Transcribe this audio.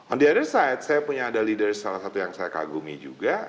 on the other side saya punya ada leader salah satu yang saya kagumi juga